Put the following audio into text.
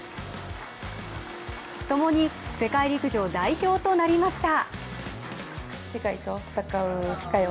ともに世界陸上代表となりました。